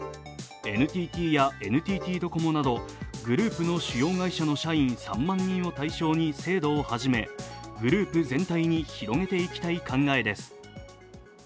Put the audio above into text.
ＮＴＴやＮＴＴドコモなどグループの主要会社の社員、３万人を対象に制度を始めグループ全体に広げていきたい考えです。